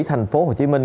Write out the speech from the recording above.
thành phố hồ chí minh